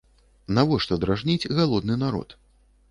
Навошта дражніць галодны народ?